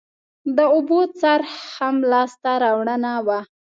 د اوبو څرخ هم لاسته راوړنه وه